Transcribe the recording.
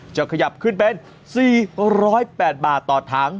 จะขยับขึ้นเป็น๔๐๘บาทต่อถัง